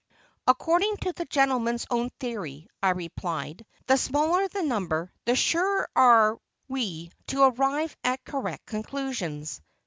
"According to the gentleman's own theory," I replied, "the smaller the number, the surer are we to arrive at correct conclusions.